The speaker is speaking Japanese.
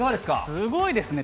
すごいですね。